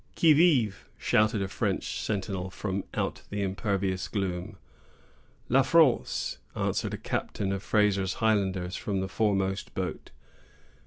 "Qui vive?" shouted a French sentinel, from out the impervious gloom. "La France!" answered a captain of Fraser's Highlanders, from the foremost boat.